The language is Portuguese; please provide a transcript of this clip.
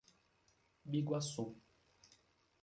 Biguaçu